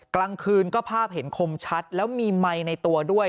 กลางคืนก็ภาพเห็นคมชัดแล้วมีไมค์ในตัวด้วย